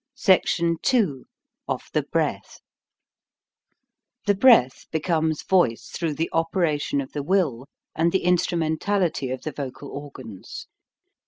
SECTION II OF THE BKEATH THE breath becomes voice through the operation of the will, and the instrumentality of the vocal organs.